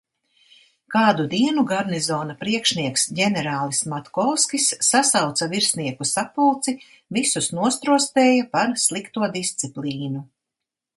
Kādu dienu garnizona priekšnieks ģenerālis Matkovskis sasauca virsnieku sapulci, visus nostrostēja par slikto disciplīnu.